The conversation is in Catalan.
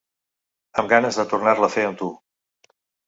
Amb ganes de tornar-la a fer amb tu.